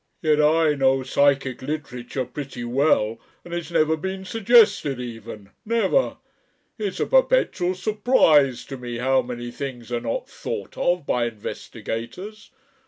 Yet I know psychic literature pretty well, and it's never been suggested even! Never. It's a perpetual surprise to me how many things are not thought of by investigators.